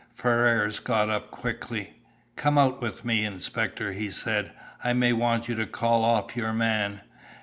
Ferrars got up quickly. "Come out with me, inspector," he said. "I may want you to call off your man.